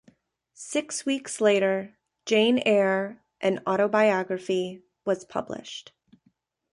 Six weeks later "Jane Eyre: An Autobiography" was published.